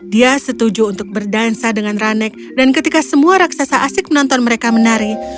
dia setuju untuk berdansa dengan ranek dan ketika semua raksasa asik menonton mereka menari